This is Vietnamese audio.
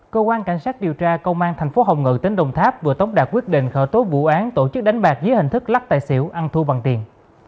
cơ quan cảnh sát điều tra công an thành phố hồng ngự tỉnh đồng tháp vừa tống đạt quyết định khởi tố vụ án tổ chức đánh bạc dưới hình thức lắc tài xỉu ăn thu bằng tiền